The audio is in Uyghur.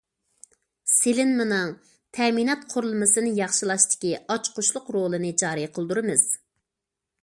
سېلىنمىنىڭ تەمىنات قۇرۇلمىسىنى ياخشىلاشتىكى ئاچقۇچلۇق رولىنى جارى قىلدۇرىمىز.